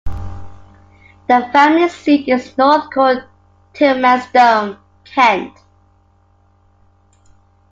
The family seat is North Court, Tilmanstone, Kent.